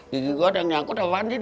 gigi gue ada yang nyangkut apaan sih